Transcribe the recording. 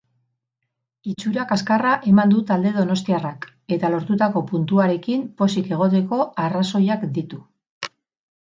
Itxura kaskarra eman du talde donostiarrak eta lortutako puntuarekin pozik egoteko arrazoiak ditu.